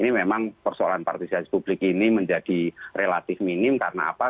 ini memang persoalan partisipasi publik ini menjadi relatif minim karena apa